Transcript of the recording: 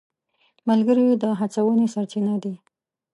ملګري د هڅونې سرچینه دي.